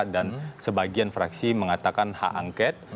dan sebagian fraksi mengatakan hak angket